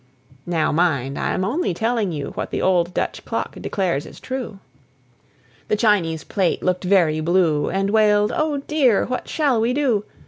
(Now mind: I'm only telling you What the old Dutch clock declares is true!) The Chinese plate looked very blue, And wailed, "Oh, dear! what shall we do!"